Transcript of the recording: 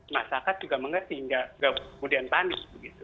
masyarakat juga mengerti kemudian panik begitu